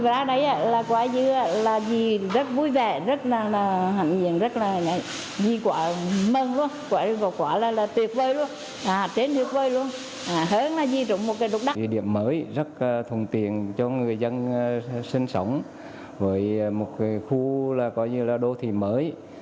ra đây là rất là phấn khởi rất là quá tuyệt vời